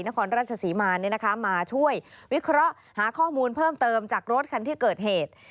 นครราชศรีมามาช่วยวิเคราะห์หาข้อมูลเพิ่มเติมจากรถคันที่เกิดเหตุ